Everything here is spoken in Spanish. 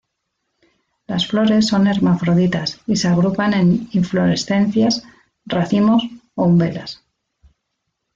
Las flores son hermafroditas y se agrupan en inflorescencias, racimos o umbelas.